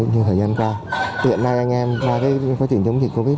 như thời gian qua hiện nay anh em qua cái quá trình chống dịch covid